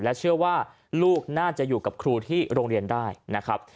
เชื่อว่าลูกน่าจะอยู่กับครูที่โรงเรียนได้นะครับ